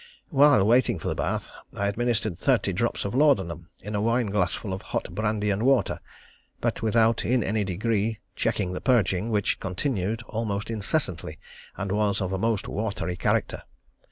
While waiting for the bath, I administered thirty drops of laudanum in a wine glassful of hot brandy and water, but without, in any degree, checking the purging, which continued almost incessantly, and was of a most watery character.